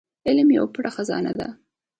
علم يوه پټه خزانه ده.